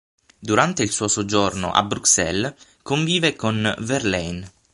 Durante il suo soggiorno a Bruxelles convive con Verlaine.